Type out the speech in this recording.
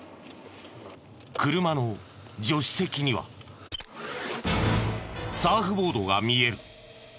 車の助手席にはサーフボードが見える。